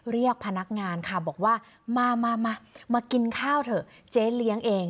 เรียกพนักงานค่ะบอกว่ามามากินข้าวเถอะเจ๊เลี้ยงเอง